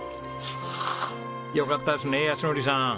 よかったですね靖典さん。